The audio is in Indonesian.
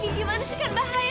kamu jangan masuk sekolah lagi